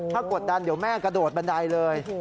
ถ้ากดดันเดี๋ยวแม่กระโดดบันไดเลย